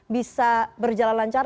bisa berjalan lancar